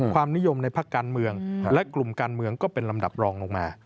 ความนิยมในภาคการเมืองและกลุ่มการเมืองก็เป็นลำดับรองลงมา